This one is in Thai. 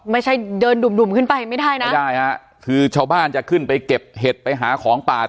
ไม่ใช่เดินดุ่มดุ่มขึ้นไปไม่ได้นะไม่ได้ฮะคือชาวบ้านจะขึ้นไปเก็บเห็ดไปหาของป่า